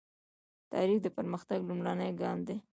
تاریخ د پرمختګ لومړنی ګام دی.